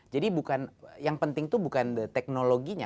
jadi bukan yang penting itu bukan teknologinya